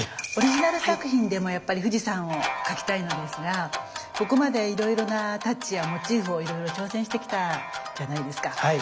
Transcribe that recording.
オリジナル作品でもやっぱり富士山を描きたいのですがここまでいろいろなタッチやモチーフを挑戦してきたじゃないですか。